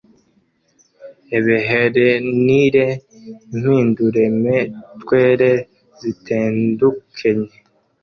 ebeherenire impinduremetwere zitendukenye